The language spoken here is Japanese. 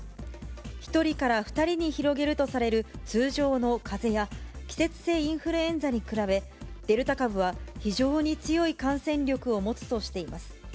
１人から２人に広げるとされる通常のかぜや季節性インフルエンザに比べ、デルタ株は非常に強い感染力を持つとしています。